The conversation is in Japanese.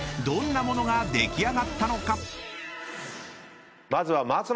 ［どんなものが出来上がったのか？］